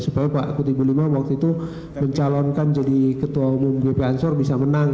supaya pak kutiplima waktu itu mencalonkan jadi ketua umum gp ansor bisa menang